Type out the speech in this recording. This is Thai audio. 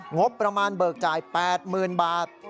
งบประมาณเบิกจ่าย๘๐๐๐บาท